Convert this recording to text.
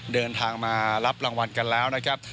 เดินทางมารับรางวัลกันแล้วนะครับ